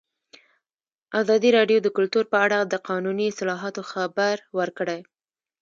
ازادي راډیو د کلتور په اړه د قانوني اصلاحاتو خبر ورکړی.